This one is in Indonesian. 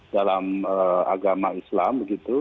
dalam agama islam